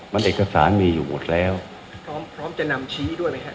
มันเอกสารมีอยู่หมดแล้วพร้อมพร้อมจะนำชี้ด้วยไหมฮะ